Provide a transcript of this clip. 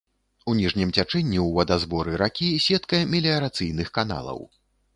У ніжнім цячэнні ў вадазборы ракі сетка меліярацыйных каналаў.